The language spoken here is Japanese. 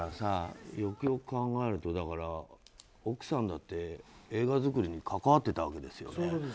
よくよく考えると奥さんだって映画作りに関わっていたわけですよね。